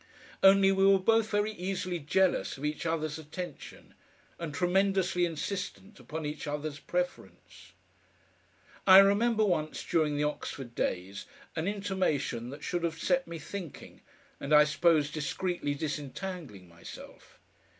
Only we were both very easily jealous of each other's attention, and tremendously insistent upon each other's preference. I remember once during the Oxford days an intimation that should have set me thinking, and I suppose discreetly disentangling myself.